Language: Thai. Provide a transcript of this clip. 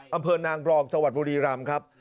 อำเภอนางรองจังหวัดบุรีรำครับ